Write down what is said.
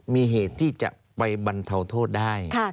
มีเหตุที่จะไปบรรเทาโทษได้